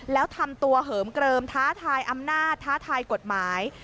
แล้วทำตัวเหิมเกลิมท้าทายอำนาจท้าทายกฎหมาย